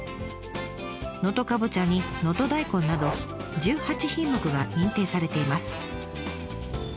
能登かぼちゃに能登だいこんなど１８品目が認定されています。